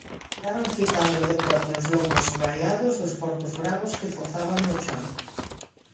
Quedaron fitando decote os lombos raiados dos porcos bravos que fozaban no chan.